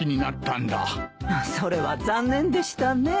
それは残念でしたね。